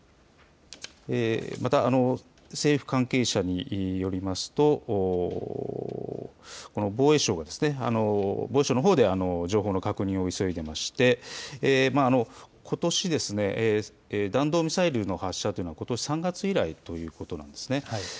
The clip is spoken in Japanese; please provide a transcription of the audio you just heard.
また、政府関係者によりますと防衛省のほうで情報の確認を急いでいまして弾道ミサイルの発射というのはことし３月以来ということです。